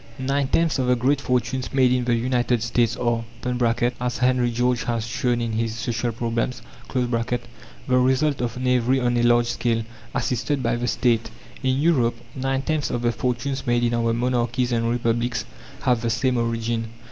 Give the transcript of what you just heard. Nine tenths of the great fortunes made in the United States are (as Henry George has shown in his "Social Problems") the result of knavery on a large scale, assisted by the State. In Europe, nine tenths of the fortunes made in our monarchies and republics have the same origin.